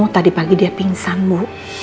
tadi pagi dia pingsan bu